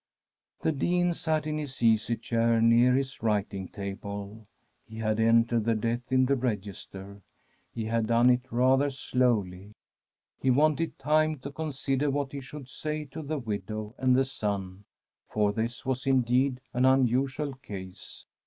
The Dean sat in his easy chair near his writing table. He had entered the death in the register. He had done if rather slowly ; he wanted time to consider what he should say to the widow and the son, for this was, indeed, an unusual case.